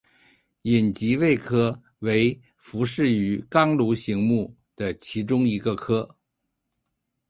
隐棘鳚科为辐鳍鱼纲鲈形目的其中一个科。